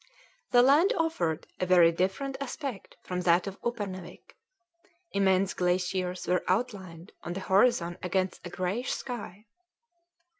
The land offered a very different aspect from that of Uppernawik; immense glaciers were outlined on the horizon against a greyish sky.